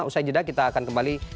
usai jeda kita akan kembali